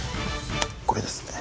これですね。